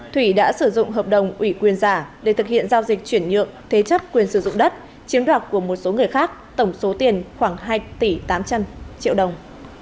thủy đã sử dụng hợp đồng ủy quyền giả để thực hiện giao dịch chuyển nhượng thế chấp quyền sử dụng đất chiếm đoạt của một số người khác tổng số tiền khoảng hai tỷ tám trăm linh triệu đồng